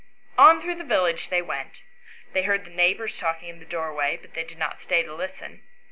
On through the village they went; they heard the neighbours talking in the doorways, but they did not stay to listen.